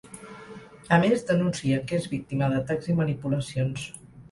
A més, denuncia que és víctima d’atacs i manipulacions.